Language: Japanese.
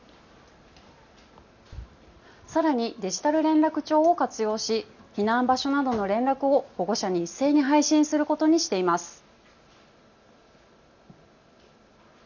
さらにデジタル連絡帳を活用し避難場所などの連絡を保護者に一斉に配信することにしています。